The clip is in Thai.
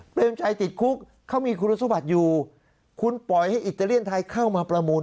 รมชัยติดคุกเขามีคุณสมบัติอยู่คุณปล่อยให้อิตาเลียนไทยเข้ามาประมูล